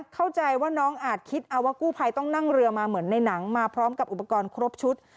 เข้าใจว่าน้องอาจคิดเอาว่ากู้ภัยต้องนั่งเรือมาเหมือนในหนังมาพร้อมกับอุปกรณ์ครบชุด